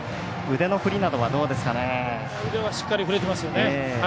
腕はしっかり振れてますよね。